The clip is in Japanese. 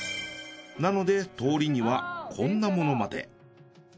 なので通りにはこんなものまで。